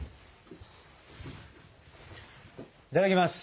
いただきます。